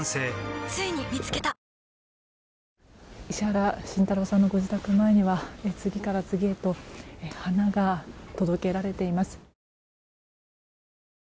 石原慎太郎さんのご自宅前には次から次へと花が届けられています。